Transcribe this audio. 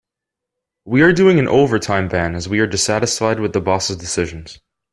We are doing an overtime ban as we are dissatisfied with the boss' decisions.